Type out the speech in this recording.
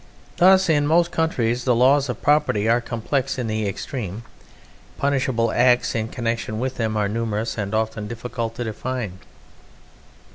Thus, in most countries the laws of property are complex in the extreme; punishable acts in connexion with them are numerous and often difficult to define.